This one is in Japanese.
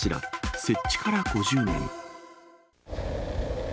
設置から５０年。